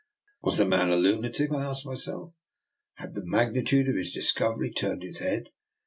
Was the man a lunatic? I asked myself; had the magnitude of his dis covery turned his head?